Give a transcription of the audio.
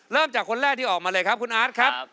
เริ่มจากคนแรกที่ออกมาเลยครับคุณอาร์ตครับ